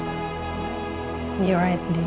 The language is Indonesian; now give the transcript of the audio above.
walaupun harus melawan seekor singa